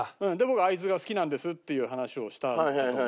僕が会津が好きなんですっていう話をしたんだけど。